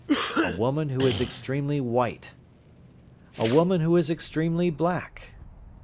A woman who is extremely white. A woman who is extremely black.